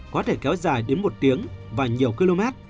có thể kéo dài đến một tiếng và nhiều km